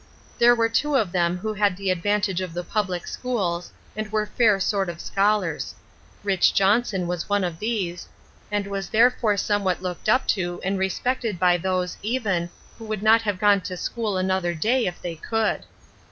There were two of them who had the advantage of the public schools, and were fair sort of scholars. Rich. Johnson was one of these, and was therefore somewhat looked up to and respected by those, even, who would not have gone to school another day if they could.